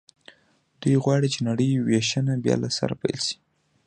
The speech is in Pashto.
دوی غواړي چې نړۍ وېشنه بیا له سره پیل شي